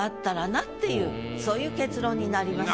そういう結論になりました。